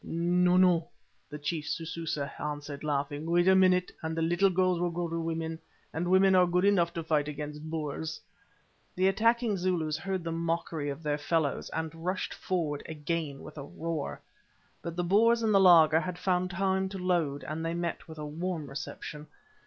"No, no!" the chief Sususa answered, laughing. "Wait a minute and the little girls will grow to women, and women are good enough to fight against Boers!" The attacking Zulus heard the mockery of their fellows, and rushed forward again with a roar. But the Boers in the laager had found time to load, and they met with a warm reception.